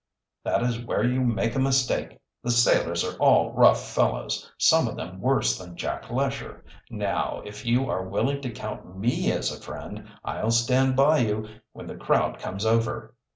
"That is where you make a mistake. The sailors are all rough fellows, some of them worse than Jack Lesher. Now, if you are willing to count me as a friend, I'll stand by you when the crowd comes over."